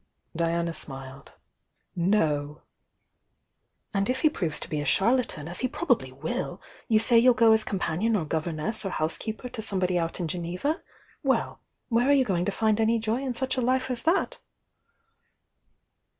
Diana smiled. "No!" "And if he proves to be a charlatan, as he prob THE YOUNG DIANA 05 ably will, yoi' say you'll go as companion or gov erness or housekeeper to somebody out in Geneva — well, where are you going to find any jc • .n such a life as that?"